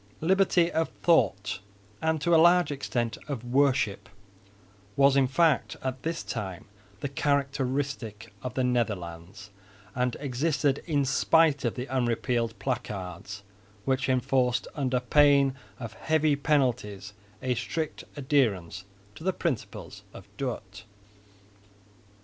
Liberty of thought and to a large extent of worship was in fact at this time the characteristic of the Netherlands, and existed in spite of the unrepealed placards which enforced under pain of heavy penalties a strict adherence to the principles of Dort.